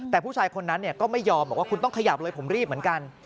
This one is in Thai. แต่ผู้ชายคนนั้นก็ไม่ยอมบอกว่าคุณต้องขยับเลยผมรีบเหมือนกัน